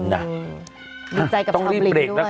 ดีใจกับชาวบิลล์ด้วยต้องรีบเบรกแล้วค่ะ